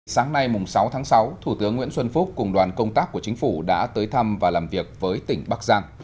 sáng nay sáu tháng sáu thủ tướng nguyễn xuân phúc cùng đoàn công tác của chính phủ đã tới thăm và làm việc với tỉnh bắc giang